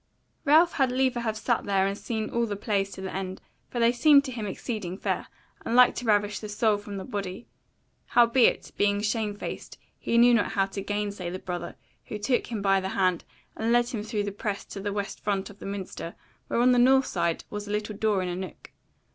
Ralph had liefer have sat there and seen all the plays to the end, for they seemed to him exceeding fair, and like to ravish the soul from the body; howbeit, being shamefaced, he knew not how to gainsay the brother, who took him by the hand, and led him through the press to the west front of the minster, where on the north side was a little door in a nook.